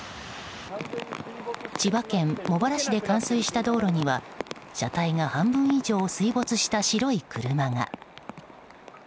千葉県茂原市で冠水した道路には車体が半分以上水没した白い車が。